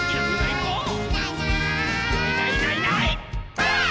ばあっ！